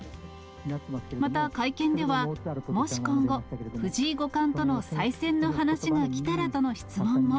また会見では、もし今後、藤井五冠との再戦の話が来たらとの質問も。